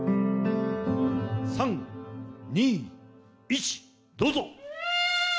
３、２、１、どうぞ。